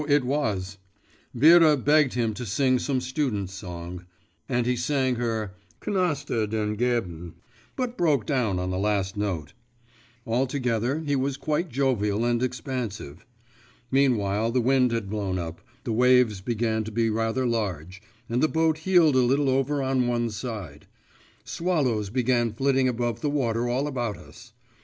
it was! Vera begged him to sing some students' song, and he sang her: 'Knaster, den gelben,' but broke down on the last note. Altogether he was quite jovial and expansive. Meanwhile the wind had blown up, the waves began to be rather large, and the boat heeled a little over on one side; swallows began flitting above the water all about us.